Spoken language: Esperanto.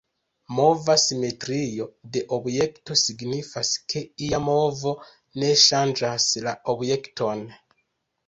Mova simetrio de objekto signifas, ke ia movo ne ŝanĝas la objekton.